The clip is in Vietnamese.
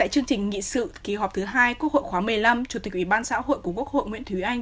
chương trình nghị sự kỳ họp thứ hai quốc hội khóa một mươi năm chủ tịch ủy ban xã hội của quốc hội nguyễn thúy anh